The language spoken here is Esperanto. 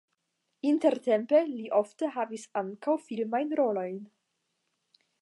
Intertempe li ofte havis ankaŭ filmajn rolojn.